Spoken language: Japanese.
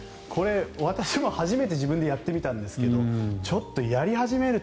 私も初めて自分でやってみたんですけどちょっとやり始めると